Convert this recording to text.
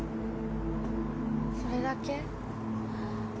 それだけ？